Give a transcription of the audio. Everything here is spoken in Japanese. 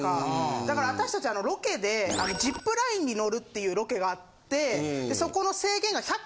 だから私達ロケでジップラインに乗るっていうロケがあってそこの。